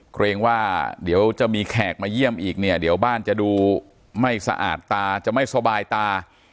เกรงว่าเดี๋ยวจะมีแขกมาเยี่ยมอีกเนี่ยเดี๋ยวบ้านจะดูไม่สะอาดตาจะไม่สบายตา